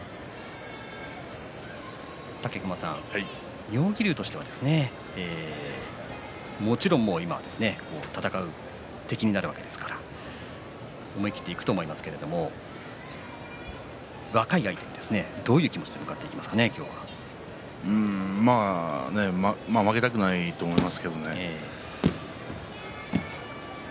武隈さん、妙義龍としてはもちろん今は戦う敵になるわけですから思い切っていくと思いますけれども若い相手ですねどういう気持ちで負けたくないと思いますけどね。